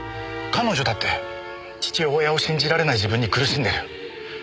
彼女だって父親を信じられない自分に苦しんでる。